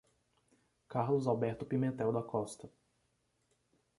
Carlos Alberto Pimentel da Costa